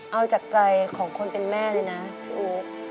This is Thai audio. เอาจากใจของคนเป็นแม่เลยนะพี่อู๋